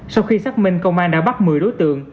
sau khi xác minh công an đã bắt một mươi đối tượng